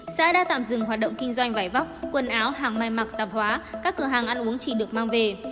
xã đã tạm dừng hoạt động kinh doanh vải vóc quần áo hàng may mặc tạp hóa các cửa hàng ăn uống chỉ được mang về